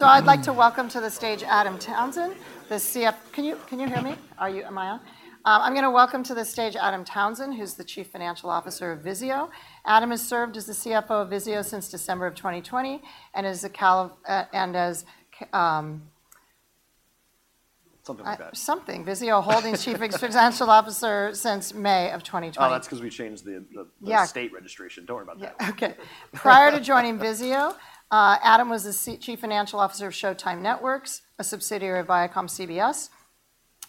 So I'd like to welcome to the stage, Adam Townsend, the CFO. Can you, can you hear me? Are you, am I on? I'm gonna welcome to the stage Adam Townsend, who's the Chief Financial Officer of VIZIO. Adam has served as the CFO of VIZIO since December of 2020, and as the cal, and as Something like that. VIZIO Holding Corp. Chief Financial Officer since May of 2020. Oh, that's 'cause we changed the Yeah the state registration. Don't worry about that. Yeah. Okay. Prior to joining VIZIO, Adam was the chief financial officer of Showtime Networks, a subsidiary of ViacomCBS,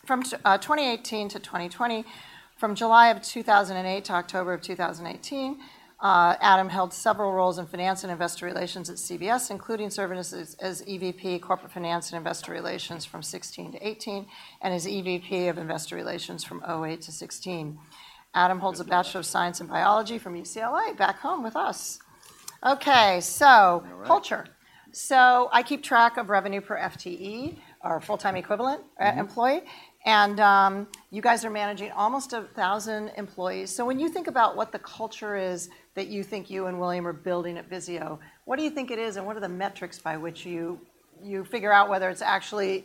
from 2018 to 2020. From July of 2008 to October of 2018, Adam held several roles in finance and investor relations at CBS, including serving as EVP corporate finance and investor relations from 2016 to 2018, and as EVP of investor relations from 2008 to 2016. Adam holds a Bachelor of Science in Biology from UCLA, back home with us. Okay, so- All right. Culture. So I keep track of revenue per FTE, or full-time equivalent- Mm-hmm employee. And you guys are managing almost 1,000 employees. So when you think about what the culture is that you think you and William are building at VIZIO, what do you think it is, and what are the metrics by which you figure out whether it's actually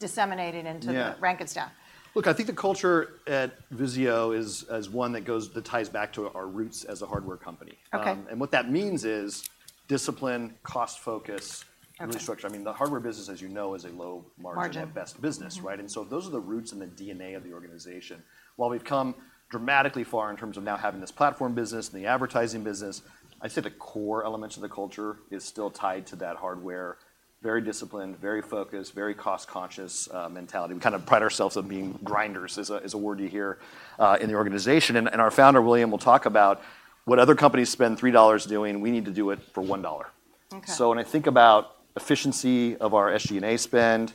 disseminated into- Yeah - the rank and staff? Look, I think the culture at VIZIO is one that goes, that ties back to our roots as a hardware company. Okay. what that means is discipline, cost focus- Okay... restructure. I mean, the hardware business, as you know, is a low margin- Margin - at best business. Mm-hmm. Right? And so those are the roots and the DNA of the organization. While we've come dramatically far in terms of now having this platform business and the advertising business, I'd say the core elements of the culture is still tied to that hardware. Very disciplined, very focused, very cost-conscious mentality. We kind of pride ourselves on being grinders, is a word you hear in the organization. And our founder, William, will talk about what other companies spend $3 doing, we need to do it for $1. Okay. So when I think about efficiency of our SG&A spend,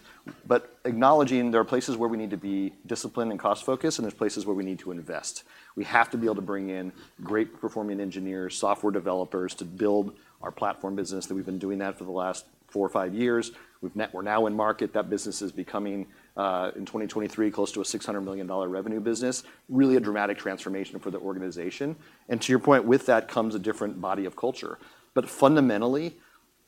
but acknowledging there are places where we need to be disciplined and cost focused, and there's places where we need to invest. We have to be able to bring in great performing engineers, software developers, to build our platform business, that we've been doing that for the last 4 or 5 years. We're now in market. That business is becoming in 2023 close to a $600 million revenue business. Really a dramatic transformation for the organization. And to your point, with that comes a different body of culture. But fundamentally,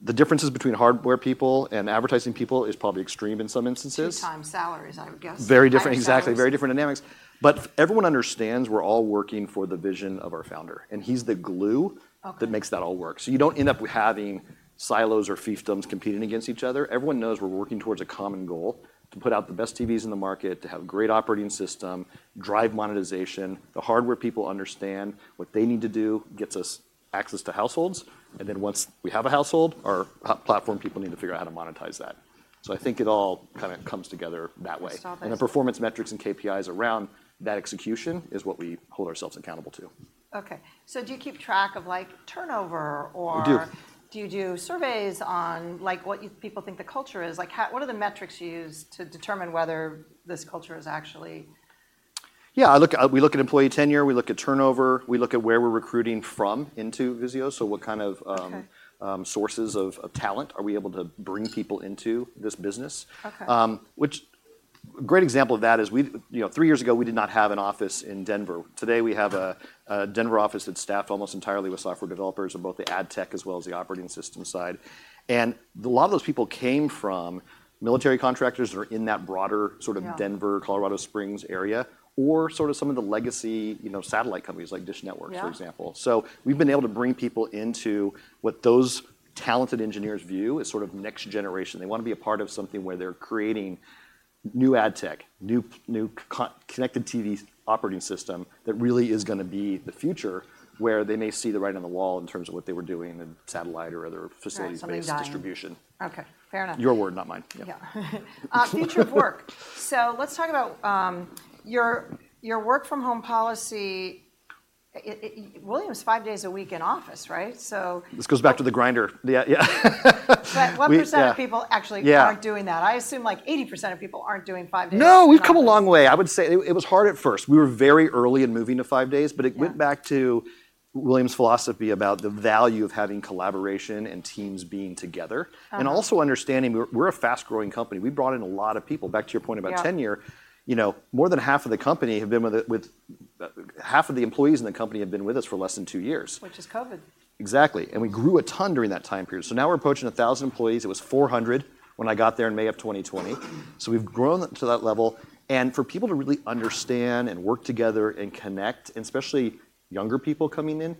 the differences between hardware people and advertising people is probably extreme in some instances. times salaries, I would guess. Very different, exactly. High salaries. Very different dynamics. But everyone understands we're all working for the vision of our founder, and he's the glue- Okay... that makes that all work. So you don't end up with having silos or fiefdoms competing against each other. Everyone knows we're working towards a common goal: to put out the best TVs in the market, to have a great operating system, drive monetization. The hardware people understand what they need to do gets us access to households, and then once we have a household, our platform people need to figure out how to monetize that. So I think it all kinda comes together that way. Stop it. The performance metrics and KPIs around that execution is what we hold ourselves accountable to. Okay. So do you keep track of, like, turnover or- We do. Do you do surveys on, like, what people think the culture is? Like, what are the metrics you use to determine whether this culture is actually... Yeah, we look at employee tenure, we look at turnover, we look at where we're recruiting from into VIZIO. So what kind of, Okay... sources of talent are we able to bring people into this business? Okay. A great example of that is we, you know, 3 years ago, we did not have an office in Denver. Today, we have a Denver office that's staffed almost entirely with software developers on both the ad tech as well as the operating system side. And a lot of those people came from military contractors that are in that broader, sort of- Yeah... Denver, Colorado Springs area, or sort of some of the legacy, you know, satellite companies, like Dish Network- Yeah ...for example. So we've been able to bring people into what those talented engineers view as sort of next generation. They wanna be a part of something where they're creating new ad tech, new connected TV's operating system, that really is gonna be the future, where they may see the writing on the wall in terms of what they were doing in satellite or other facilities- Right, something dying.... based distribution. Okay, fair enough. Your word, not mine. Yeah. Yeah. Future of work. So let's talk about your work from home policy. William's five days a week in office, right? So- This goes back to the grinder. Yeah, yeah. But what percent- We, yeah... of people actually- Yeah... aren't doing that? I assume like 80% of people aren't doing five days in office. No, we've come a long way. I would say it was hard at first. We were very early in moving to five days- Yeah... but it went back to William's philosophy about the value of having collaboration and teams being together. Okay. Also understanding we're a fast-growing company. We brought in a lot of people. Back to your point about- Yeah... tenure, you know, more than half of the company have been with it. Half of the employees in the company have been with us for less than two years. Which is COVID. Exactly. And we grew a ton during that time period. So now we're approaching 1,000 employees. It was 400 when I got there in May of 2020. So we've grown to that level. And for people to really understand and work together and connect, and especially younger people coming in,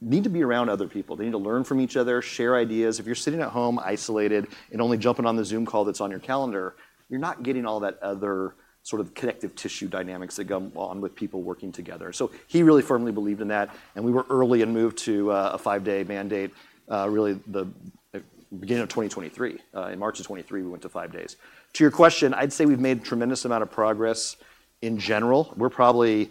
need to be around other people. They need to learn from each other, share ideas. If you're sitting at home, isolated, and only jumping on the Zoom call that's on your calendar, you're not getting all that other sort of connective tissue dynamics that go on with people working together. So he really firmly believed in that, and we were early and moved to a five-day mandate, really, the beginning of 2023. In March of 2023, we went to five days. To your question, I'd say we've made a tremendous amount of progress in general. We're probably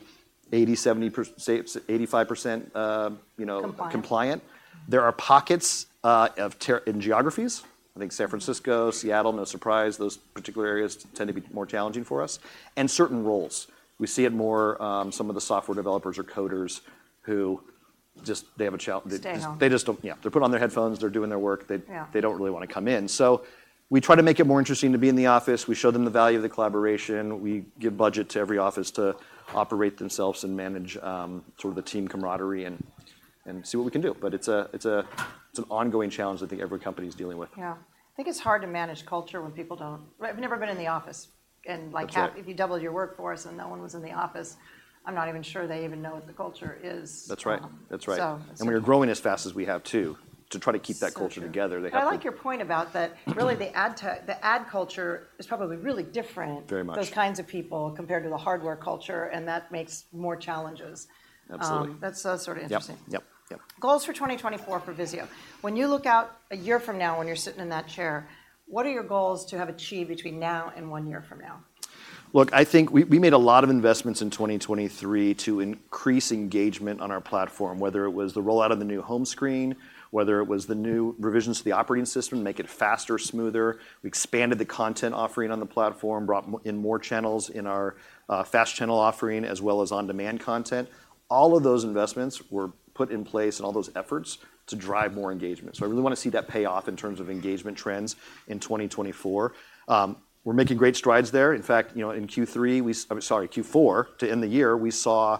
80, 70 per... say, 85%, you know- Compliant... compliant. There are pockets in geographies. I think San Francisco- Mm-hmm... Seattle, no surprise, those particular areas tend to be more challenging for us. Certain roles. We see it more, some of the software developers or coders who just, they have a chal- Stay home. They just don't... Yeah, they put on their headphones, they're doing their work. Yeah. They don't really wanna come in. So we try to make it more interesting to be in the office. We show them the value of the collaboration. We give budget to every office to operate themselves and manage sort of the team camaraderie and see what we can do. But it's an ongoing challenge I think every company is dealing with. Yeah. I think it's hard to manage culture when people don't-- I've never been in the office, and, like- That's right.... if you doubled your workforce, and no one was in the office, I'm not even sure they even know what the culture is. That's right. Um. That's right. So. We are growing as fast as we have, too, to try to keep that culture together- So true... they have- I like your point about that. Really, the ad tech, the ad culture is probably really different- Very much... those kinds of people compared to the hardware culture, and that makes more challenges. Absolutely. That's sort of interesting. Yep, yep, yep. Goals for 2024 for VIZIO. When you look out a year from now, when you're sitting in that chair, what are your goals to have achieved between now and one year from now? Look, I think we made a lot of investments in 2023 to increase engagement on our platform, whether it was the rollout of the new home screen, whether it was the new revisions to the operating system to make it faster, smoother. We expanded the content offering on the platform, brought in more channels in our FAST channel offering, as well as on-demand content. All of those investments were put in place, and all those efforts to drive more engagement. So I really want to see that pay off in terms of engagement trends in 2024. We're making great strides there. In fact, you know, in Q3, we... I'm sorry, Q4, to end the year, we saw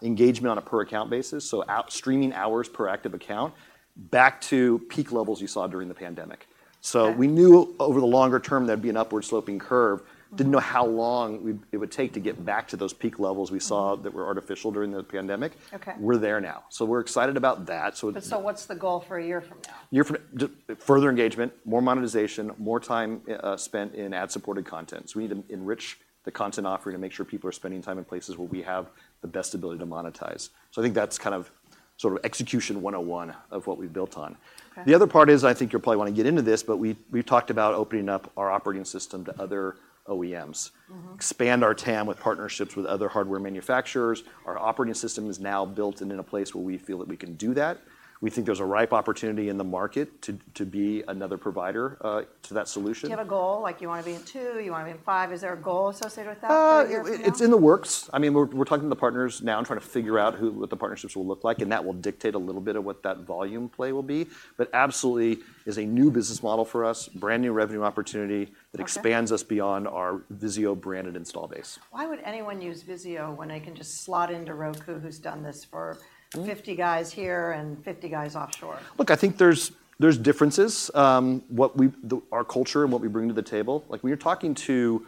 engagement on a per account basis, so app streaming hours per active account, back to peak levels you saw during the pandemic. Okay. We knew over the longer term, there'd be an upward sloping curve. Mm. Didn't know how long it would take to get back to those peak levels we saw- Mm... that were artificial during the pandemic. Okay. We're there now, so we're excited about that. What's the goal for a year from now? Year from further engagement, more monetization, more time spent in ad-supported content. So we need to enrich the content offering to make sure people are spending time in places where we have the best ability to monetize. So I think that's kind of, sort of execution 101 of what we've built on. Okay. The other part is, I think you'll probably want to get into this, but we, we've talked about opening up our operating system to other OEMs. Mm-hmm. Expand our TAM with partnerships with other hardware manufacturers. Our operating system is now built and in a place where we feel that we can do that. We think there's a ripe opportunity in the market to be another provider to that solution. Do you have a goal, like you want to be in two, you want to be in five? Is there a goal associated with that, for a year from now? It's in the works. I mean, we're talking to the partners now, trying to figure out who, what the partnerships will look like, and that will dictate a little bit of what that volume play will be. But absolutely is a new business model for us, brand new revenue opportunity- Okay... that expands us beyond our VIZIO-branded install base. Why would anyone use VIZIO when they can just slot into Roku, who's done this for- Mm... 50 guys here and 50 guys offshore? Look, I think there's differences. Our culture and what we bring to the table. Like, we are talking to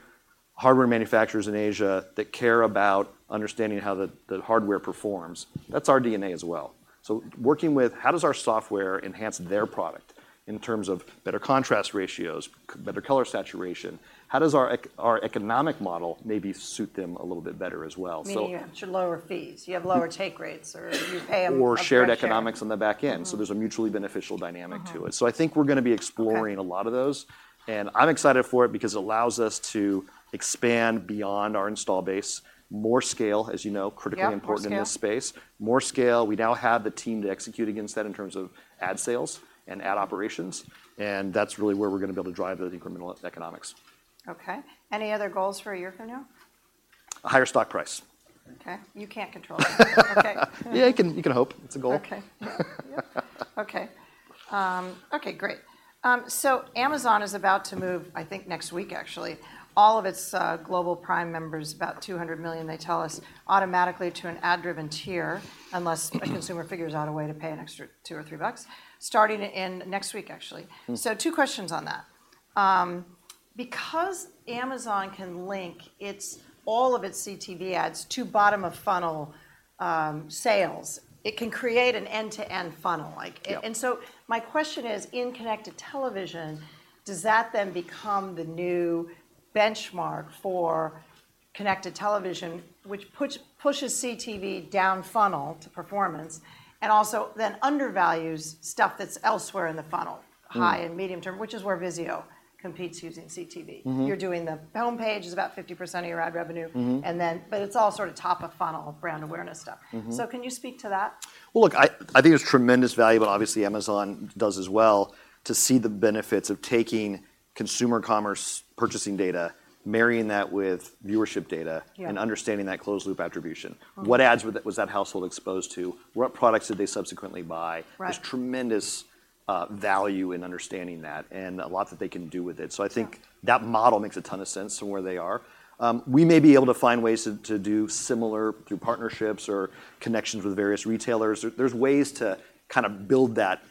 hardware manufacturers in Asia that care about understanding how the hardware performs. That's our DNA as well. So working with, how does our software enhance their product in terms of better contrast ratios, better color saturation? How does our economic model maybe suit them a little bit better as well? So- Meaning you have lower fees, you have lower take rates, or you pay them a fair share. Or shared economics on the back end. Mm-hmm. There's a mutually beneficial dynamic to it. Mm-hmm. So I think we're gonna be exploring- Okay... a lot of those, and I'm excited for it because it allows us to expand beyond our installed base. More scale, as you know- Yep, more scale... critically important in this space. More scale, we now have the team to execute against that in terms of ad sales and ad operations, and that's really where we're gonna be able to drive those incremental economics. Okay. Any other goals for a year from now? A higher stock price. Okay, you can't control that. Okay. Yeah, you can, you can hope. It's a goal. So Amazon is about to move, I think, next week actually, all of its global Prime members, about 200 million, they tell us, automatically to an ad-driven tier, unless a consumer figures out a way to pay an extra $2 or $3, starting in next week, actually. Mm. Two questions on that. Because Amazon can link its, all of its CTV ads to bottom-of-funnel, sales, it can create an end-to-end funnel. Like- Yep... and so my question is, in connected television, does that then become the new benchmark for connected television, which pushes CTV down funnel to performance, and also then undervalues stuff that's elsewhere in the funnel? Mm... high and medium term, which is where VIZIO competes using CTV? Mm-hmm. You're doing the homepage is about 50% of your ad revenue. Mm-hmm. But it's all sort of top-of-funnel, brand awareness stuff. Mm-hmm. Can you speak to that? Well, look, I, I think there's tremendous value, but obviously Amazon does as well, to see the benefits of taking consumer commerce purchasing data, marrying that with viewership data- Yeah... and understanding that closed-loop attribution. Mm. What ads was that household exposed to? What products did they subsequently buy? Right. There's tremendous value in understanding that, and a lot that they can do with it. Yeah. So I think that model makes a ton of sense to where they are. We may be able to find ways to do similar, through partnerships or connections with various retailers. There's ways to kind of build that,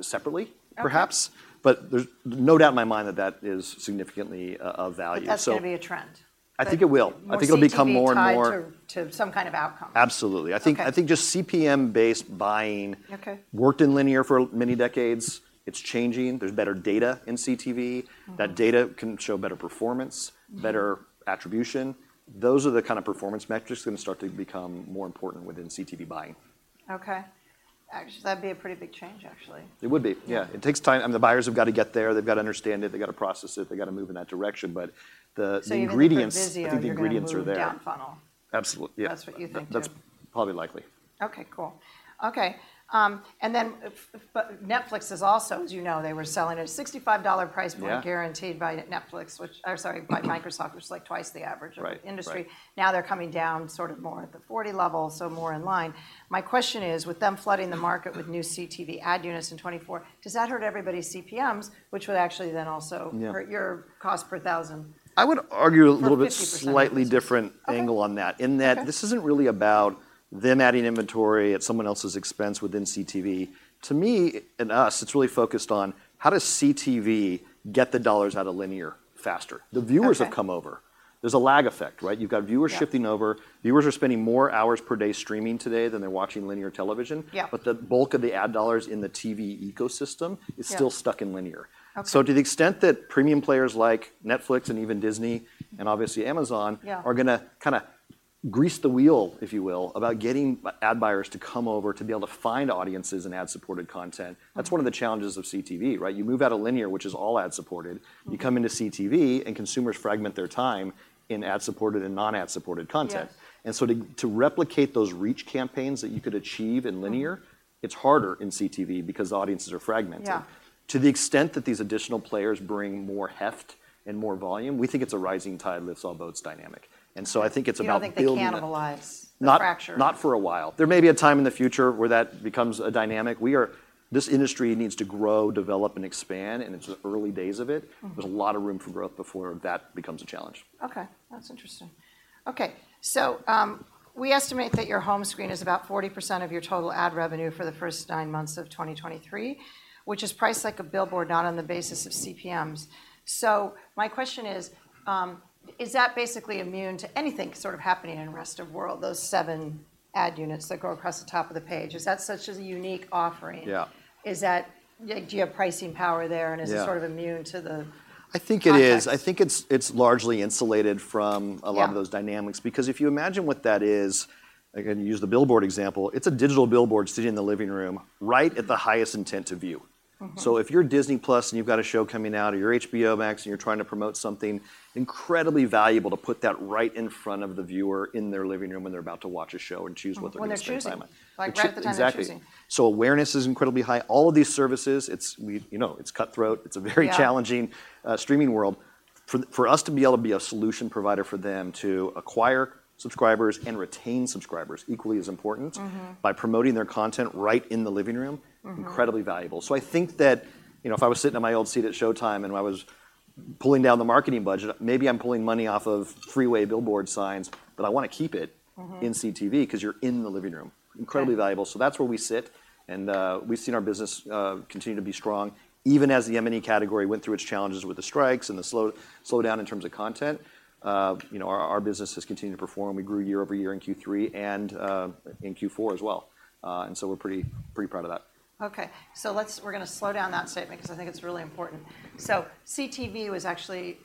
separately- Okay... perhaps, but there's no doubt in my mind that that is significantly, of value. So- But that's gonna be a trend? I think it will. More CTV- I think it'll become more and more—... tied to some kind of outcome. Absolutely. Okay. I think just CPM-based buying- Okay... worked in linear for many decades. It's changing. There's better data in CTV. Mm. That data can show better performance. Mm... better attribution. Those are the kind of performance metrics that are gonna start to become more important within CTV buying. Okay. Actually, that'd be a pretty big change, actually. It would be, yeah. It takes time, and the buyers have got to get there. They've got to understand it. They've got to process it. They've got to move in that direction, but the ingredients- So even for VIZIO- I think the ingredients are there.... down funnel. Absolutely, yeah. That's what you think, too? That's probably likely. Okay, cool. Okay, and then but Netflix is also, as you know, they were selling a $65 price point- Yeah... guaranteed by Netflix, which... or sorry, by Microsoft, which is, like, twice the average- Right, right... of the industry. Now, they're coming down sort of more at the 40 level, so more in line. My question is, with them flooding the market with new CTV ad units in 2024, does that hurt everybody's CPMs, which would actually then also- Yeah... hurt your cost per thousand? I would argue a little bit- For 50%... slightly different angle on that. Okay. In that, this isn't really about them adding inventory at someone else's expense within CTV. To me and us, it's really focused on: How does CTV get the dollars out of linear faster? Okay. The viewers have come over. There's a lag effect, right? You've got viewers- Yeah... shifting over. Viewers are spending more hours per day streaming today than they're watching linear television. Yeah. The bulk of the ad dollars in the TV ecosystem. Yeah... is still stuck in linear. Okay. To the extent that premium players like Netflix, and even Disney, and obviously Amazon- Yeah... are gonna kinda grease the wheel, if you will, about getting ad buyers to come over, to be able to find audiences in ad-supported content. Mm. That's one of the challenges of CTV, right? You move out of linear, which is all ad-supported. Mm. You come into CTV, and consumers fragment their time in ad-supported and non-ad-supported content. Yes. And so, to replicate those reach campaigns that you could achieve in linear- Mm... it's harder in CTV because audiences are fragmented. Yeah. To the extent that these additional players bring more heft and more volume, we think it's a rising tide lifts all boats dynamic. And so I think it's about building the- You don't think they cannibalize the fracture? Not, not for a while. There may be a time in the future where that becomes a dynamic. We are... This industry needs to grow, develop, and expand, and it's the early days of it. Mm. There's a lot of room for growth before that becomes a challenge. Okay, that's interesting. Okay, so, we estimate that your home screen is about 40% of your total ad revenue for the first 9 months of 2023, which is priced like a billboard, not on the basis of CPMs. So my question is, is that basically immune to anything sort of happening in the rest of world, those 7 ad units that go across the top of the page? Is that such a unique offering? Yeah. Do you have pricing power there? Yeah... and is it sort of immune to the- I think it is.... context? I think it's largely insulated from- Yeah... a lot of those dynamics. Because if you imagine what that is, again, use the billboard example, it's a digital billboard sitting in the living room, right at the highest intent to view. Mm-hmm. So if you're Disney+, and you've got a show coming out, or you're HBO Max, and you're trying to promote something, incredibly valuable to put that right in front of the viewer in their living room when they're about to watch a show and choose what they're gonna spend time on. Mm, when they're choosing. Like, right at the time of choosing. Exactly. So awareness is incredibly high. All of these services, you know, it's cutthroat. It's a very- Yeah... challenging, streaming world. For us to be able to be a solution provider for them to acquire subscribers and retain subscribers, equally as important- Mm-hmm... by promoting their content right in the living room- Mm-hmm... incredibly valuable. So I think that, you know, if I was sitting in my old seat at Showtime, and I was pulling down the marketing budget, maybe I'm pulling money off of freeway billboard signs, but I wanna keep it- Mm-hmm... in CTV 'cause you're in the living room. Okay. Incredibly valuable. So that's where we sit, and we've seen our business continue to be strong. Even as the M&E category went through its challenges with the strikes and the slowdown in terms of content, you know, our business has continued to perform. We grew year over year in Q3 and in Q4 as well. And so we're pretty proud of that. Okay, so let's-- we're gonna slow down that statement 'cause I think it's really important. So CTV was actually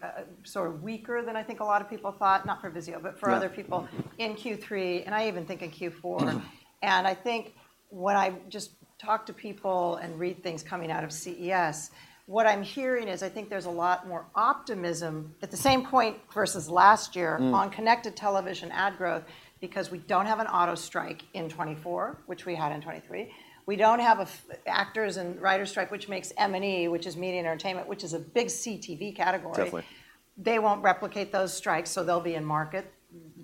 sort of weaker than I think a lot of people thought, not for VIZIO- Yeah ...but for other people in Q3, and I even think in Q4. And I think when I just talk to people and read things coming out of CES, what I'm hearing is, I think there's a lot more optimism at the same point versus last year- Mm... on connected television ad growth, because we don't have an auto strike in 2024, which we had in 2023. We don't have a actors and writers strike, which makes M&E, which is media and entertainment, which is a big CTV category. Definitely. They won't replicate those strikes, so they'll be in market,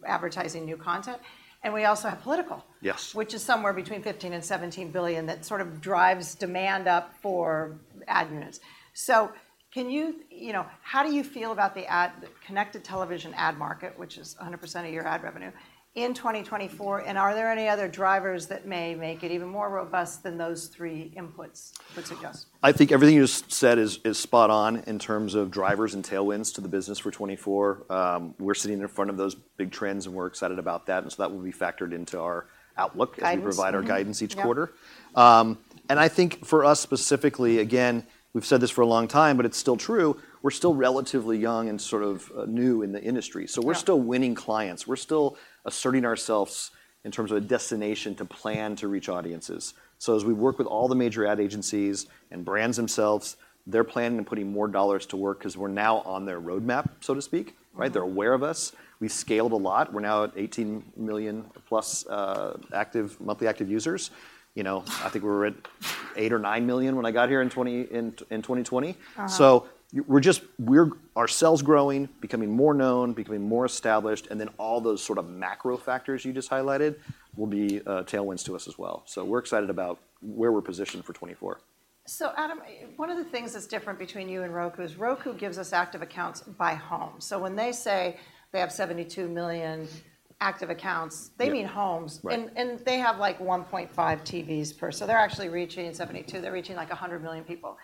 advertising new content. And we also have political- Yes... which is somewhere between $15 billion and $17 billion, that sort of drives demand up for ad units. So can you... You know, how do you feel about the ad, connected television ad market, which is 100% of your ad revenue, in 2024, and are there any other drivers that may make it even more robust than those three inputs would suggest? I think everything you just said is spot on in terms of drivers and tailwinds to the business for 2024. We're sitting in front of those big trends, and we're excited about that, and so that will be factored into our outlook. Guidance, mm-hmm... as we provide our guidance each quarter. Yep. I think for us, specifically, again, we've said this for a long time, but it's still true: We're still relatively young and sort of new in the industry. Yeah. So we're still winning clients. We're still asserting ourselves in terms of a destination to plan to reach audiences. So as we work with all the major ad agencies and brands themselves, they're planning on putting more dollars to work 'cause we're now on their roadmap, so to speak. Mm. Right? They're aware of us. We scaled a lot. We're now at 18 million plus active monthly active users. You know, I think we were at 8 or 9 million when I got here in 2020. Uh-huh. So we're just, our sales growing, becoming more known, becoming more established, and then all those sort of macro factors you just highlighted will be tailwinds to us as well. So we're excited about where we're positioned for 2024. So Adam, one of the things that's different between you and Roku is Roku gives us active accounts by home. So when they say they have 72 million active accounts- Yeah... they mean homes. Right. And they have, like, 1.5 TVs per, so they're actually reaching... 72. They're reaching, like, 100 million people.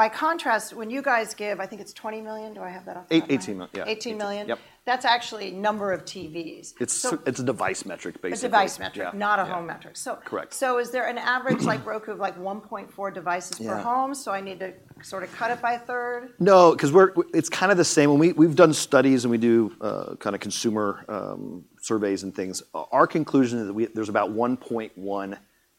By contrast, when you guys give, I think it's 20 million. Do I have that off?- 8, 18 million. Yeah. Eighteen million? Yep. That's actually number of TVs. It's- So-... it's a device metric, basically. A device metric- Yeah... not a home metric. So- Correct. Is there an average, like Roku, of, like, 1.4 devices per home? Yeah. So I need to sort of cut it by a third? No, 'cause it's kinda the same. When we've done studies, and we do kinda consumer surveys and things. Our conclusion is that there's about 1.1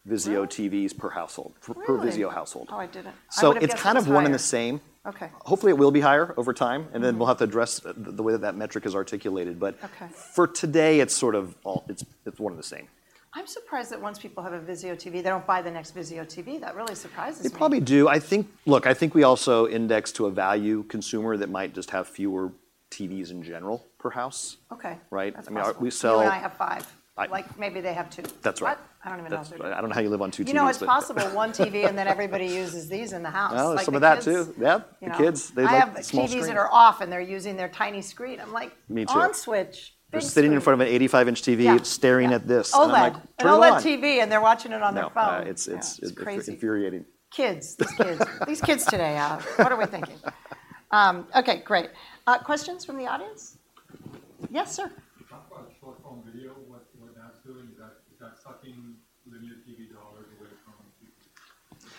Vizio- Wow!... TVs per household. Really? Per VIZIO household. Oh, I would've guessed higher. It's kind of one and the same. Okay. Hopefully, it will be higher over time- Mm... and then we'll have to address the way that that metric is articulated. But- Okay... for today, it's sort of all, it's one and the same. I'm surprised that once people have a VIZIO TV, they don't buy the next VIZIO TV. That really surprises me. They probably do. I think... Look, I think we also index to a value consumer that might just have fewer TVs in general per house. Okay. Right? That's possible. I mean, we sell- You and I have 5. I- Like, maybe they have two. That's right. What? I don't even know if they have two. I don't know how you live on two TVs, but You know, it's possible, one TV, and then everybody uses these in the house. Well, some of that, too. Like the kids. Yeah, the kids, they like small screens. I have TVs that are off, and they're using their tiny screen. I'm like- Me too... "On switch. They're sitting in front of an 85-inch TV- Yeah... staring at this. OLED. I'm like, "Turn it on! OLED TV, and they're watching it on their phone. No, it's crazy. It's crazy. It's infuriating. Kids, these kids. These kids today, what are we thinking? Okay, great. Questions from the audience? Yes, sir. Talk about short-form video. What that's doing, is that sucking linear TV dollars away from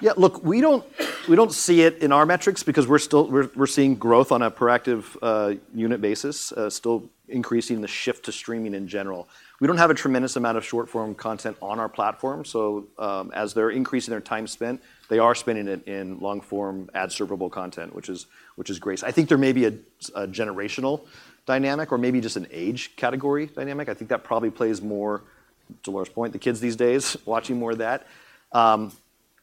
you? Yeah, look, we don't see it in our metrics because we're still seeing growth on a proactive unit basis, still increasing the shift to streaming in general. We don't have a tremendous amount of short-form content on our platform, so as they're increasing their time spent, they are spending it in long-form, ad-servable content, which is great. I think there may be a generational dynamic or maybe just an age category dynamic. I think that probably plays more, to Laura's point, the kids these days, watching more of that.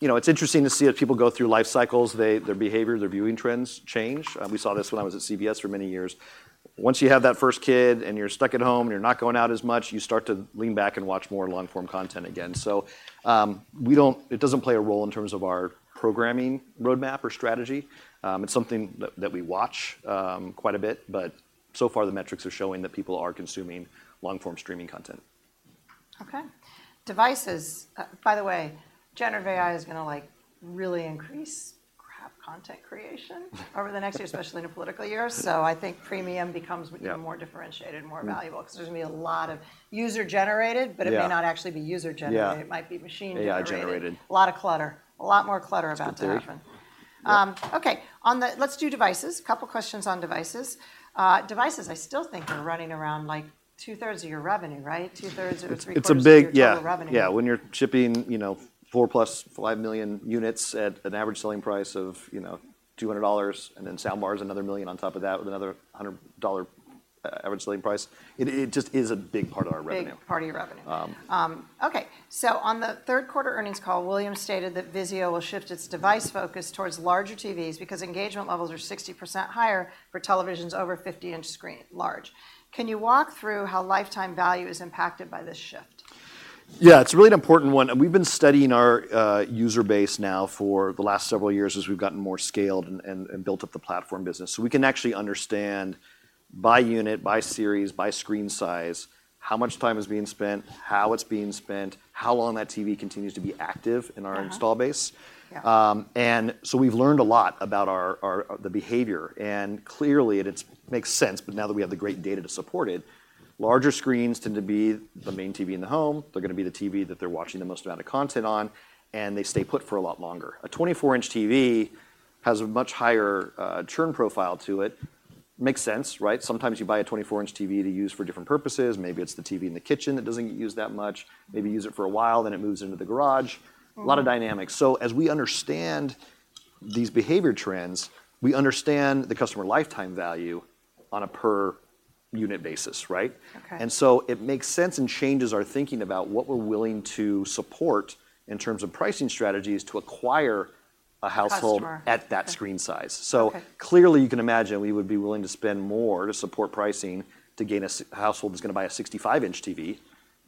You know, it's interesting to see as people go through life cycles, their behavior, their viewing trends change. We saw this when I was at CBS for many years. Once you have that first kid, and you're stuck at home, and you're not going out as much, you start to lean back and watch more long-form content again. So, we don't-- it doesn't play a role in terms of our programming roadmap or strategy. It's something that we watch quite a bit, but so far, the metrics are showing that people are consuming long-form streaming content. Okay. Devices. By the way, generative AI is gonna, like, really increase crap content creation-... over the next year, especially in a political year. So I think premium becomes- Yeah... more differentiated, more valuable, because there's gonna be a lot of user-generated- Yeah... but it may not actually be user-generated. Yeah. It might be machine-generated. AI-generated. A lot of clutter. A lot more clutter about to happen. It's gonna happen. Yeah. Okay, on the... Let's do devices. Couple questions on devices. Devices, I still think are running around, like, two-thirds of your revenue, right? Two-thirds or three-quarters- It's a big-... of your total revenue. Yeah, yeah. When you're shipping, you know, 4 + 5 million units at an average selling price of, you know, $200, and then soundbar is another 1 million on top of that, with another $100 average selling price, it just is a big part of our revenue. Big part of your revenue. Um- Okay, so on the third quarter earnings call, William stated that VIZIO will shift its device focus towards larger TVs because engagement levels are 60% higher for televisions over 50-inch screen, large. Can you walk through how lifetime value is impacted by this shift? Yeah, it's a really important one, and we've been studying our user base now for the last several years as we've gotten more scaled and built up the platform business. So we can actually understand by unit, by series, by screen size, how much time is being spent, how it's being spent, how long that TV continues to be active in our- Uh-huh... installed base. Yeah. And so we've learned a lot about our the behavior, and clearly, it's makes sense, but now that we have the great data to support it, larger screens tend to be the main TV in the home. They're gonna be the TV that they're watching the most amount of content on, and they stay put for a lot longer. A 24-inch TV has a much higher churn profile to it. Makes sense, right? Sometimes you buy a 24-inch TV to use for different purposes. Maybe it's the TV in the kitchen that doesn't get used that much. Maybe use it for a while, then it moves into the garage. Mm. A lot of dynamics. So as we understand these behavior trends, we understand the customer lifetime value on a per unit basis, right? Okay. And so it makes sense and changes our thinking about what we're willing to support in terms of pricing strategies to acquire a household- Customer... at that screen size. Okay. So clearly, you can imagine we would be willing to spend more to support pricing to gain a household that's gonna buy a 65-inch TV.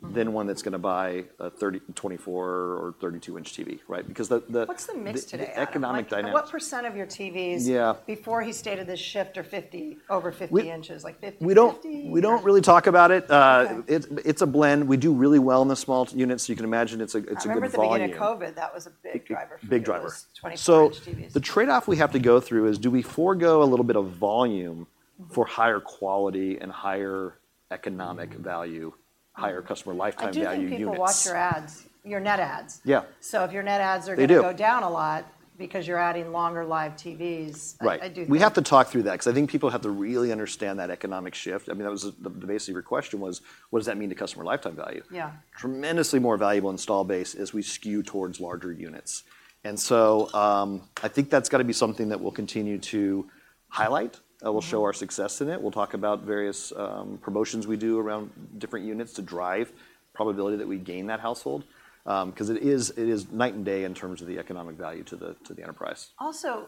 Mm... than one that's gonna buy a 30-, 24- or 32-inch TV, right? Because the- What's the mix today?... the economic dynamics. What percent of your TVs- Yeah... before he stated this shift, are 50, over 50 inches? We- Like 50/50? We don't really talk about it. Okay... it's a blend. We do really well in the small units, so you can imagine it's a good volume. I remember the beginning of COVID, that was a big driver for you. Big driver. Twenty-four-inch TVs. The trade-off we have to go through is: Do we forgo a little bit of volume- Mm-hmm... for higher quality and higher economic value, higher customer lifetime value units? I do think people watch your ads, your net ads. Yeah. So if your net ads are gonna- They do... go down a lot because you're adding longer live TVs- Right... I do think. We have to talk through that, 'cause I think people have to really understand that economic shift. I mean, that was the basis of your question, what does that mean to customer lifetime value? Yeah. Tremendously more valuable installed base as we skew towards larger units. I think that's gonna be something that we'll continue to highlight. Mm-hmm. We'll show our success in it. We'll talk about various promotions we do around different units to drive probability that we gain that household. 'Cause it is, it is night and day in terms of the economic value to the, to the enterprise. Also,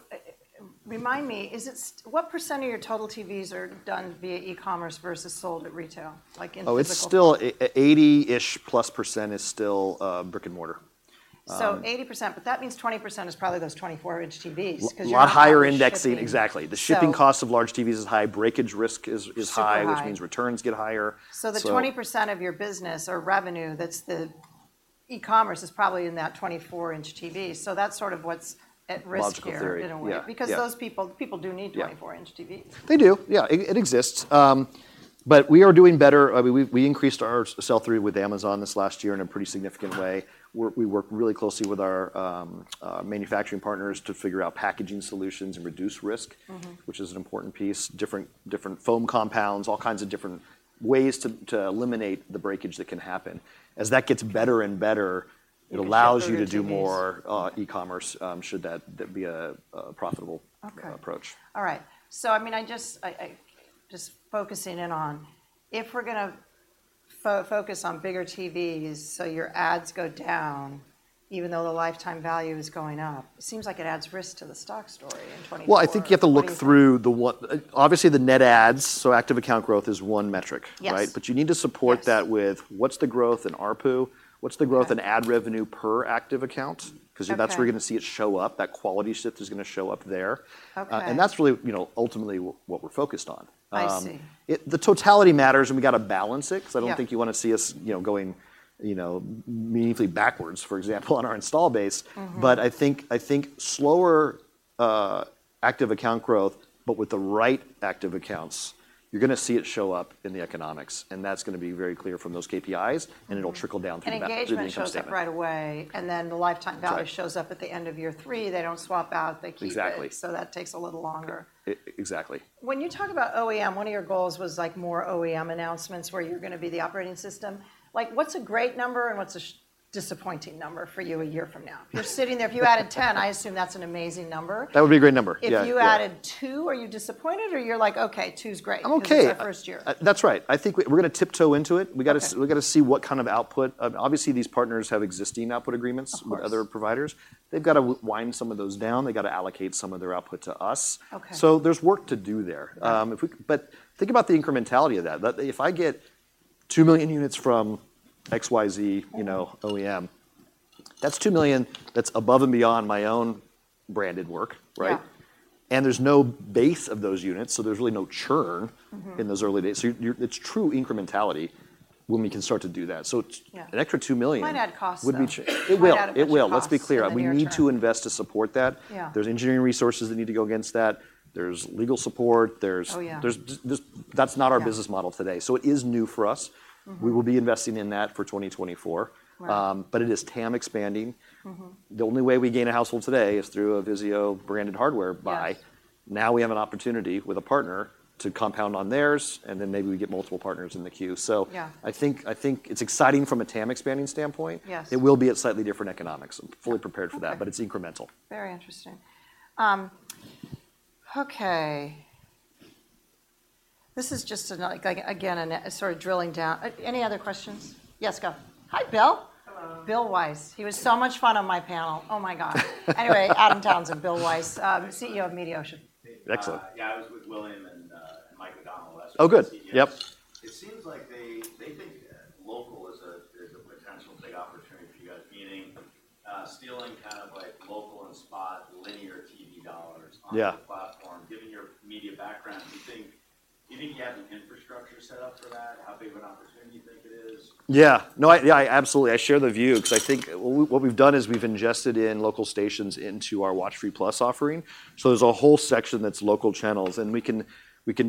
remind me, is it what % of your total TVs are done via e-commerce versus sold at retail, like in physical? Oh, it's still 80-ish plus % is still brick-and-mortar. So 80%, but that means 20% is probably those 24-inch TVs, 'cause you're not- A lot higher indexing- Shipping... exactly. So. The shipping cost of large TVs is high. Breakage risk is high- Super high... which means returns get higher. So- So the 20% of your business or revenue, that's the e-commerce, is probably in that 24-inch TV. So that's sort of what's at risk here. Logical theory... in a way. Yeah, yeah. Because those people do need- Yeah... 24-inch TVs. They do, yeah. It exists. But we are doing better. We increased our sell-through with Amazon this last year in a pretty significant way. We work really closely with our manufacturing partners to figure out packaging solutions and reduce risk- Mm-hmm... which is an important piece. Different foam compounds, all kinds of different ways to eliminate the breakage that can happen. As that gets better and better, it allows you- You can ship larger TVs.... to do more, e-commerce, should that be a profitable- Okay... approach. All right. So, I mean, I just focusing in on if we're gonna focus on bigger TVs, so your ads go down, even though the lifetime value is going up. It seems like it adds risk to the stock story in 2024, and- Well, I think you have to look through, obviously, the net adds, so active account growth is one metric, right? Yes. But you need to support- Yes... that with what's the growth in ARPU? Yeah. What's the growth in ad revenue per active account? Okay. 'Cause that's where you're gonna see it show up. That quality shift is gonna show up there. Okay. That's really, you know, ultimately what we're focused on. I see. The totality matters, and we gotta balance it- Yeah... 'cause I don't think you wanna see us, you know, going, you know, meaningfully backwards, for example, on our install base. Mm-hmm. But I think, I think slower active account growth, but with the right active accounts, you're gonna see it show up in the economics, and that's gonna be very clear from those KPIs. Mm-hmm... and it'll trickle down through the income statement. Engagement shows up right away, and then the lifetime- Right... value shows up at the end of year three. They don't swap out. They keep it. Exactly. So that takes a little longer. E-e-exactly. When you talk about OEM, one of your goals was, like, more OEM announcements, where you're gonna be the operating system. Like, what's a great number, and what's a disappointing number for you a year from now? You're sitting there... If you added 10, I assume that's an amazing number. That would be a great number. Yeah, yeah. If you added two, are you disappointed, or you're like: "Okay, two's great- Okay. -because it's our first year? That's right. I think we're gonna tiptoe into it. Okay. We gotta see what kind of output... Obviously, these partners have existing output agreements- Of course... with other providers. They've gotta wind some of those down. They've gotta allocate some of their output to us. Okay. There's work to do there. Right. But think about the incrementality of that. That if I get 2 million units from XYZ, you know- Mm-hmm... OEM, that's 2 million that's above and beyond my own branded work, right? Yeah. There's no base of those units, so there's really no churn- Mm-hmm... in those early days. So you're, it's true incrementality when we can start to do that. So- Yeah... an extra $2 million- Might add costs, though. It will. Might add a bunch of costs. It will. Let's be clear. Yeah, long term. We need to invest to support that. Yeah. There's engineering resources that need to go against that. There's legal support. There's- Oh, yeah. There's just... That's not- Yeah... our business model today. So it is new for us. Mm-hmm. We will be investing in that for 2024. Right. It is TAM expanding. Mm-hmm. The only way we gain a household today is through a VIZIO-branded hardware buy. Yes. Now, we have an opportunity with a partner to compound on theirs, and then maybe we get multiple partners in the queue. So- Yeah... I think, I think it's exciting from a TAM-expanding standpoint. Yes. It will be at slightly different economics. I'm fully prepared for that- Okay... but it's incremental. Very interesting. Okay. This is just, like, like again, a sort of drilling down... Any other questions? Yes, go. Hi, Bill. Hello. Bill Wise. He was so much fun on my panel. Oh, my God! Anyway, Adam Townsend, Bill Wise, CEO of Mediaocean. Excellent. Yeah, I was with William and, and Mike O'Donnell last- Oh, good. Yep. Yep. It seems like they think that local is a potential big opportunity for you guys. Meaning, stealing kind of like local and spot linear TV dollars- Yeah... on the platform. Given your media background, do you think, do you think you have the infrastructure set up for that? How big of an opportunity do you think it is? Yeah. No, I... Yeah, I absolutely. I share the view because I think what we, what we've done is we've ingested in local stations into our WatchFree+ offering. So there's a whole section that's local channels, and we can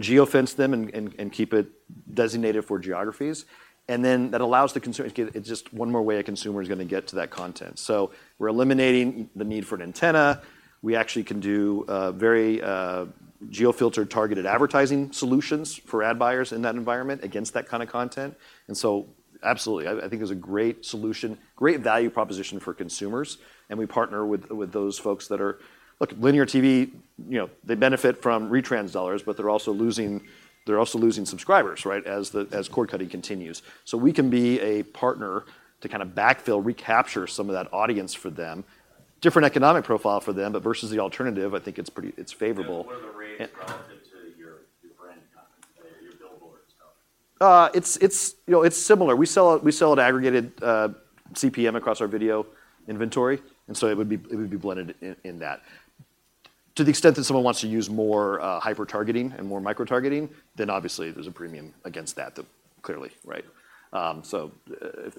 geo-fence them and keep it designated for geographies, and then that allows. It's just one more way a consumer is gonna get to that content. So we're eliminating the need for an antenna. We actually can do very geo-filtered, targeted advertising solutions for ad buyers in that environment against that kind of content, and so absolutely. I think it's a great solution, great value proposition for consumers, and we partner with those folks that are... Look, linear TV, you know, they benefit from retrans dollars, but they're also losing, they're also losing subscribers, right? As cord-cutting continues. We can be a partner to kind of backfill, recapture some of that audience for them. Different economic profile for them, but versus the alternative, I think it's pretty- it's favorable. What are the rates relative to your brand content, your billboard stuff? It's, you know, similar. We sell an aggregated CPM across our video inventory, and so it would be blended in that. To the extent that someone wants to use more hyper targeting and more micro targeting, then obviously there's a premium against that, clearly, right? So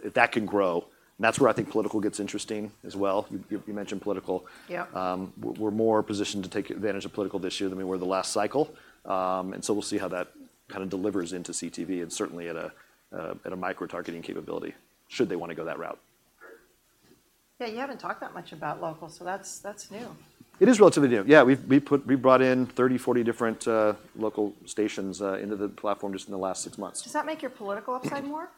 if that can grow, that's where I think political gets interesting as well. You mentioned political. Yeah. We're more positioned to take advantage of political this year than we were the last cycle. And so we'll see how that kind of delivers into CTV and certainly at a micro targeting capability, should they wanna go that route. Great. Yeah, you haven't talked that much about local, so that's new. It is relatively new. Yeah, we've brought in 30, 40 different local stations into the platform just in the last six months. Does that make your political upside more?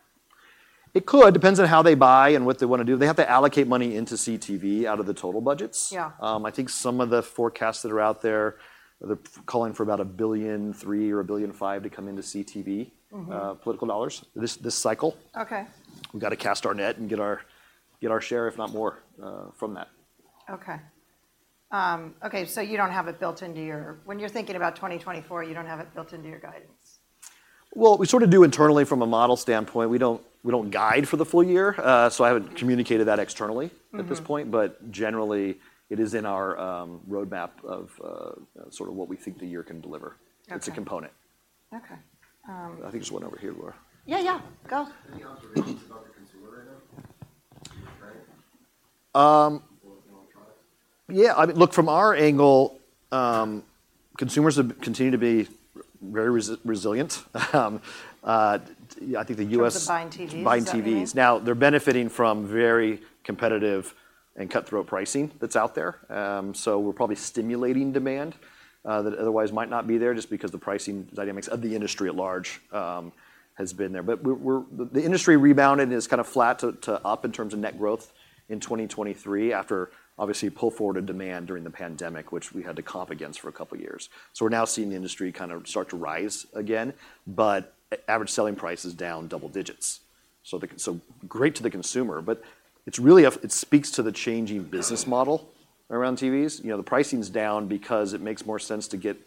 It could. It depends on how they buy and what they wanna do. They have to allocate money into CTV out of the total budgets. Yeah. I think some of the forecasts that are out there, they're calling for about $1.3 billion-$1.5 billion to come into CTV. Mm-hmm... political dollars, this, this cycle. Okay. We've gotta cast our net and get our, get our share, if not more, from that. Okay. Okay, so you don't have it built into your... When you're thinking about 2024, you don't have it built into your guidance? Well, we sort of do internally from a model standpoint. We don't, we don't guide for the full year, so I haven't communicated that externally- Mm-hmm... at this point, but generally, it is in our roadmap of sort of what we think the year can deliver. Okay. It's a component. Okay. Um- I think there's one over here, Laura. Yeah, yeah. Go. Any observations about the consumer right now? Um- Electronic products? Yeah, I mean, look, from our angle, consumers have continued to be very resilient. I think the US- In terms of buying TVs, is that what you mean? Buying TVs. Now, they're benefiting from very competitive and cut-throat pricing that's out there. So we're probably stimulating demand that otherwise might not be there, just because the pricing dynamics of the industry at large has been there. But we're. The industry rebounded, and it's kind of flat to up in terms of net growth in 2023, after obviously pull forward in demand during the pandemic, which we had to comp against for a couple years. So we're now seeing the industry kind of start to rise again, but average selling price is down double digits. So, so great to the consumer, but it's really, it speaks to the changing business model around TVs. You know, the pricing's down because it makes more sense to get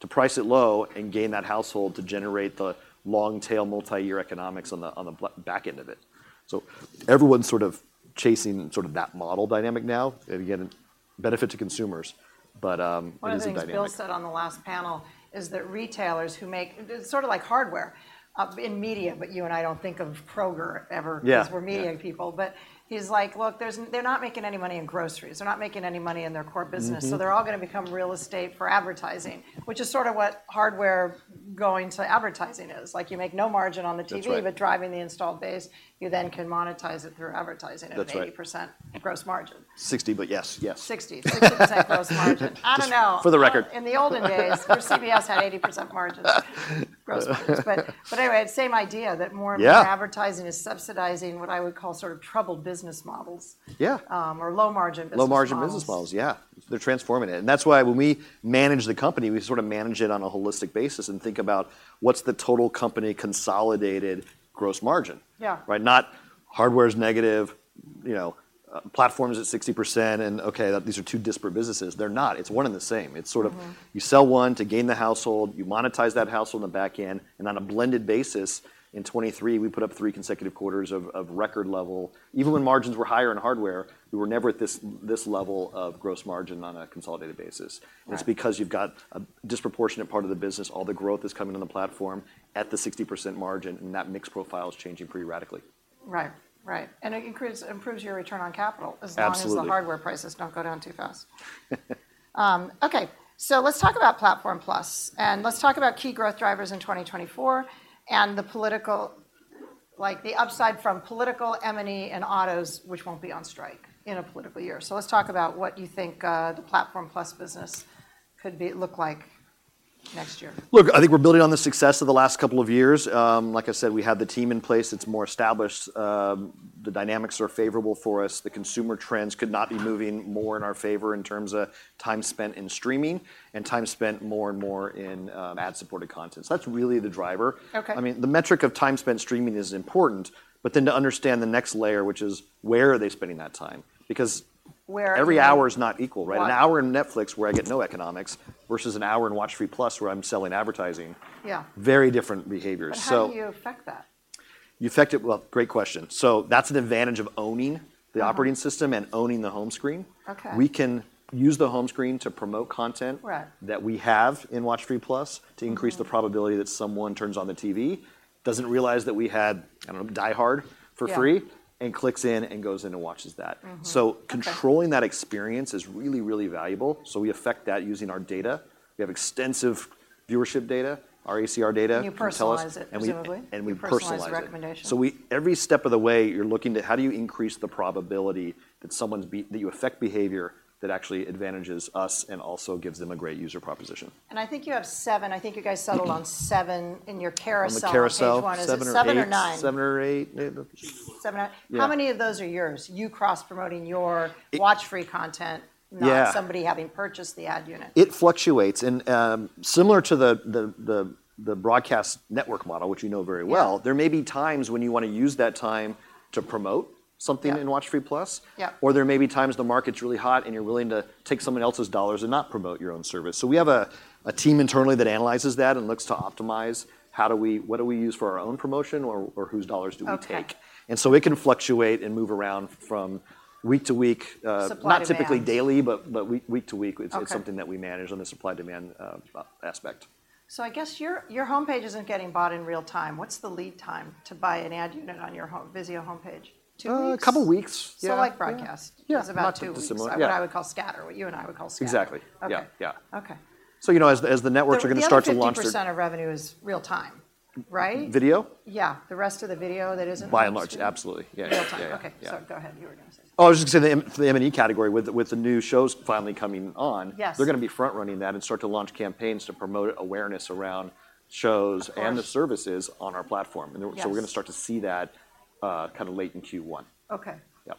to price it low and gain that household to generate the long-tail, multi-year economics on the back end of it. So everyone's sort of chasing sort of that model dynamic now. And again, benefit to consumers, but it is a dynamic. One of the things Bill said on the last panel is that it's sort of like hardware, up in media, but you and I don't think of Kroger ever- Yeah because we're media people. But he's like: "Look, there's, they're not making any money in groceries. They're not making any money in their core business. Mm-hmm. So they're all gonna become real estate for advertising," which is sort of what hardware going to advertising is. Like, you make no margin on the TV- That's right... but driving the installed base, you then can monetize it through advertising- That's right - at 80% gross margin. 60, but yes. Yes. 60. 60% gross margin. I don't know. For the record. In the olden days, where CBS had 80% margins, gross margins. But, but anyway, same idea, that more- Yeah... and more advertising is subsidizing what I would call sort of troubled business models- Yeah - or low-margin business models. Low-margin business models, yeah. They're transforming it. And that's why when we manage the company, we sort of manage it on a holistic basis and think about what's the total company consolidated gross margin? Yeah. Right? Not hardware's negative, you know, platform's at 60%, and okay, these are two disparate businesses. They're not. It's one and the same. Mm-hmm. It's sort of you sell one to gain the household, you monetize that household on the back end, and on a blended basis, in 2023, we put up three consecutive quarters of, of record level... Even when margins were higher in hardware, we were never at this, this level of gross margin on a consolidated basis. Right. It's because you've got a disproportionate part of the business, all the growth is coming on the platform at the 60% margin, and that mix profile is changing pretty radically. Right. Right. And it increases- improves your return on capital- Absolutely... as long as the hardware prices don't go down too fast. Okay, so let's talk about Platform+, and let's talk about key growth drivers in 2024, and the political, like, the upside from political, M&E, and autos, which won't be on strike in a political year. So let's talk about what you think, the Platform+ business could look like next year. Look, I think we're building on the success of the last couple of years. Like I said, we have the team in place. It's more established. The dynamics are favorable for us. The consumer trends could not be moving more in our favor in terms of time spent in streaming and time spent more and more in ad-supported content. So that's really the driver. Okay. I mean, the metric of time spent streaming is important, but then to understand the next layer, which is: Where are they spending that time? Because- Where-... every hour is not equal, right? Well- An hour in Netflix, where I get no economics, versus an hour in WatchFree+, where I'm selling advertising- Yeah... very different behaviors. So- But how do you affect that? You affect it... Well, great question. So that's an advantage of owning the operating system- Mm... and owning the home screen. Okay. We can use the home screen to promote content- Right... that we have in WatchFree+ to increase- Mm... the probability that someone turns on the TV, doesn't realize that we had, I don't know, Die Hard for free- Yeah... and clicks in and goes in and watches that. Mm-hmm. Okay. So controlling that experience is really, really valuable. So we affect that using our data. We have extensive viewership data, our ACR data- You personalize it, presumably? and we personalize it. You personalize the recommendations. Every step of the way, you're looking to how do you increase the probability that you affect behavior that actually advantages us and also gives them a great user proposition? I think you have seven. I think you guys settled on seven in your carousel- On the carousel… on page 1. 7 or 8. Is it seven or nine? 7 or 8, maybe. Seven or... 7 or 8. Yeah. How many of those are yours? You cross-promoting your WatchFree+ content- Yeah... not somebody having purchased the ad unit. It fluctuates. Similar to the broadcast network model, which you know very well- Yeah... there may be times when you wanna use that time to promote something- Yeah... in WatchFree+. Yeah. Or there may be times the market's really hot, and you're willing to take someone else's dollars and not promote your own service. So we have a team internally that analyzes that and looks to optimize how do we, what do we use for our own promotion or whose dollars do we take? Okay. And so it can fluctuate and move around from week to week. Supply to demand... not typically daily, but week to week- Okay... it's something that we manage on the supply/demand, aspect. So I guess your homepage isn't getting bought in real time. What's the lead time to buy an ad unit on your Vizio homepage? Two weeks? A couple weeks. Yeah. So like broadcast- Yeah... it's about two weeks. Not too dissimilar, yeah. What I would call scatter, what you and I would call scatter. Exactly. Okay. Yeah, yeah. Okay. you know, as the networks are gonna start to launch their- The other 50% of revenue is real time, right? Video? Yeah, the rest of the video that isn't- By and large, absolutely. Yeah, yeah. Real time. Yeah. Okay, so go ahead. You were gonna say something. Oh, I was just gonna say the M&A category, with the new shows finally coming on- Yes... they're gonna be front-running that and start to launch campaigns to promote awareness around shows- Of course... and the services on our platform. Yes. And so we're gonna start to see that, kinda late in Q1. Okay. Yep.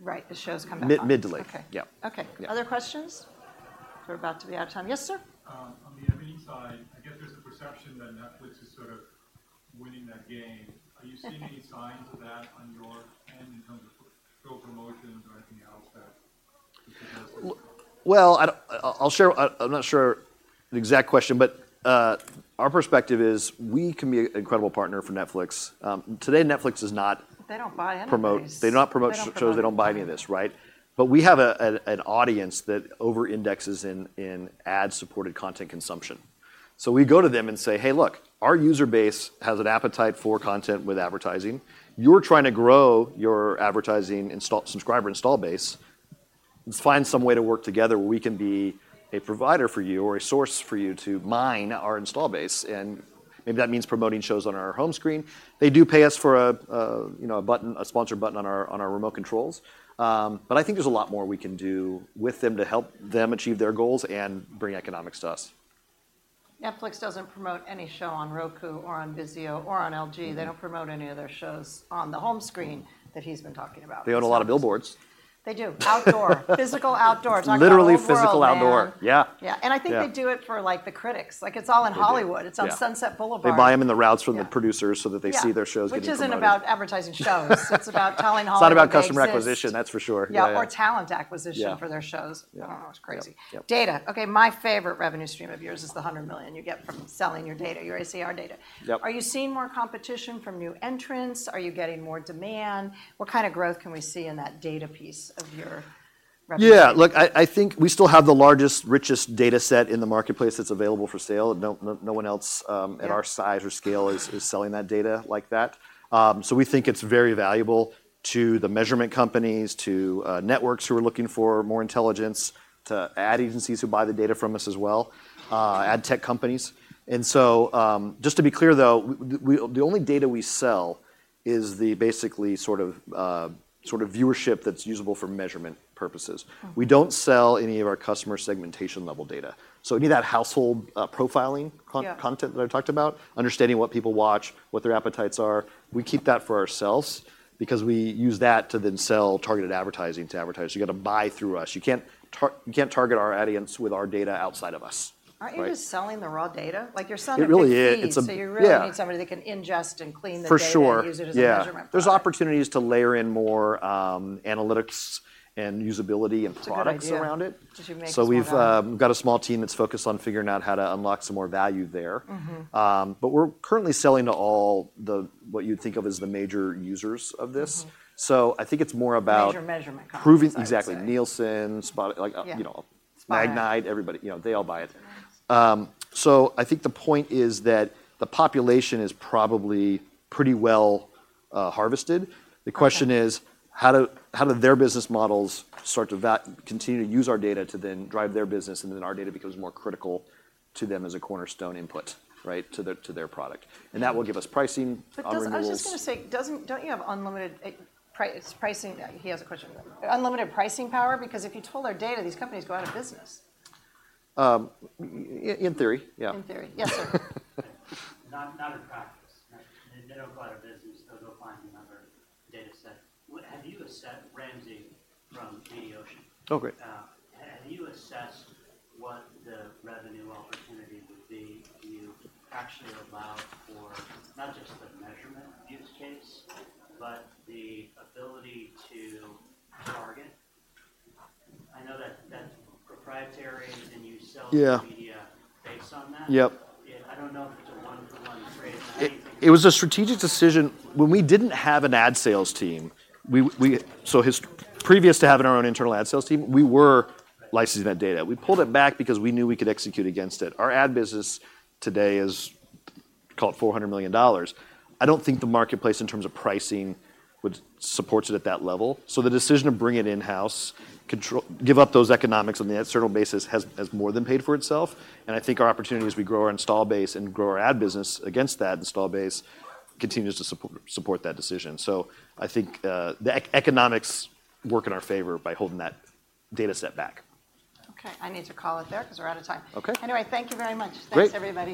Right, the shows coming up. Mid, mid to late. Okay. Yeah. Okay. Yeah. Other questions? We're about to be out of time. Yes, sir. On the M&A side, I guess there's a perception that Netflix is sort of winning that game. Are you seeing any signs of that on your end in terms of show promotions or anything else that? Well, I'll share. I'm not sure the exact question, but our perspective is we can be an incredible partner for Netflix. Today, Netflix does not- They don't buy anybody's.... promote, they do not promote shows- They don't promote.... they don't buy any of this, right? But we have an audience that over indexes in ad-supported content consumption. So we go to them and say: "Hey, look, our user base has an appetite for content with advertising. You're trying to grow your advertising install, subscriber install base. Let's find some way to work together where we can be a provider for you or a source for you to mine our install base," and maybe that means promoting shows on our home screen. They do pay us for, you know, a sponsor button on our remote controls. But I think there's a lot more we can do with them to help them achieve their goals and bring economics to us.... Netflix doesn't promote any show on Roku or on VIZIO or on LG. They don't promote any of their shows on the home screen that he's been talking about. They own a lot of billboards. They do. Outdoor. Physical, outdoor. It's not- Literally physical outdoor... all world, man. Yeah. Yeah. Yeah. I think they do it for, like, the critics. Maybe. Like, it's all in Hollywood. Yeah. It's on Sunset Boulevard. They buy them in the routes from the- Yeah... producers so that they see their shows getting promoted. Yeah, which isn't about advertising shows. It's about telling Hollywood it exists. It's about customer acquisition, that's for sure. Yeah. Yeah, or talent acquisition- Yeah... for their shows. Yeah. I don't know, it's crazy. Yep, yep. Data. Okay, my favorite revenue stream of yours is the $100 million you get from selling your data, your ACR data. Yep. Are you seeing more competition from new entrants? Are you getting more demand? What kind of growth can we see in that data piece of your revenue? Yeah, look, I, I think we still have the largest, richest data set in the marketplace that's available for sale, and no, no one else, at our- Yeah... size or scale is, is selling that data like that. So we think it's very valuable to the measurement companies, to networks who are looking for more intelligence, to ad agencies who buy the data from us as well, ad tech companies. And so, just to be clear, though, we, the only data we sell is the basically sort of, sort of viewership that's usable for measurement purposes. Mm. We don't sell any of our customer segmentation-level data. So any of that household, profiling con- Yeah... content that I talked about, understanding what people watch, what their appetites are, we keep that for ourselves because we use that to then sell targeted advertising to advertisers. You got to buy through us. You can't target our audience with our data outside of us, right? Aren't you just selling the raw data? Like, you're selling the feeds- It's a... Yeah... so you really need somebody that can ingest and clean the data- For sure... and use it as a measurement product. Yeah. There's opportunities to layer in more, analytics and usability and products around it. That's a good idea that you make. So we've got a small team that's focused on figuring out how to unlock some more value there. Mm-hmm. But we're currently selling to all the... what you'd think of as the major users of this. Mm-hmm. So I think it's more about- Major measurement companies, I'd say.... proving-- Exactly. Nielsen, like, you know- Yeah... Magnite, everybody, you know, they all buy it. Right. I think the point is that the population is probably pretty well harvested. Okay. The question is: How do their business models start to continue to use our data to then drive their business, and then our data becomes more critical to them as a cornerstone input, right? To their product. And that will give us pricing, onboarding rules- But, I was just going to say, doesn't, don't you have unlimited pricing power? He has a question. Because if you told our data, these companies go out of business. In theory, yeah. In theory. Yes, sir. Not in practice, right? They don't go out of business. They'll go find another data set. Have you assessed Ramsey from Mediaocean. Oh, great. Have you assessed what the revenue opportunity would be if you actually allowed for not just the measurement use case but the ability to target? I know that that's proprietary, and you sell- Yeah... the media based on that. Yep. Yeah, I don't know if it's a one-to-one trade- It was a strategic decision. When we didn't have an ad sales team, previous to having our own internal ad sales team, we were licensing that data. We pulled it back because we knew we could execute against it. Our ad business today is, call it $400 million. I don't think the marketplace, in terms of pricing, would support it at that level. So the decision to bring it in-house, give up those economics on the ad server basis has more than paid for itself, and I think our opportunity as we grow our install base and grow our ad business against that install base continues to support that decision. So I think, the economics work in our favor by holding that data set back. Okay, I need to call it there 'cause we're out of time. Okay. Anyway, thank you very much. Great. Thanks, everybody.